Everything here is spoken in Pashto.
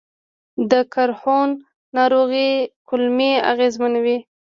د کروهن ناروغي کولمې اغېزمنوي.